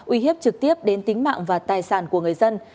uy hiếp trực tiếp đến tính mạng và tài sản của người dân